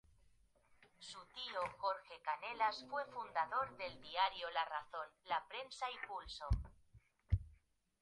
Su tío Jorge Canelas fue fundador del diario La Razón, La Prensa y Pulso.